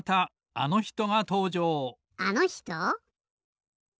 あのひと？